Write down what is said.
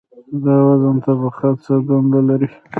د اوزون طبقه څه دنده لري؟